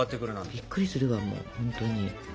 びっくりするわもうほんとに。